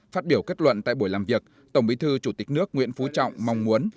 phát biểu kết luận tại buổi làm việc tổng bí thư chủ tịch nước nguyễn phú trọng mong muốn